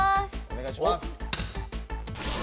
お願いします。